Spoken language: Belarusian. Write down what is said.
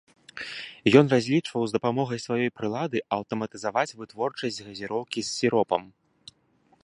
Ён разлічваў з дапамогай сваёй прылады аўтаматызаваць вытворчасць газіроўкі з сіропам.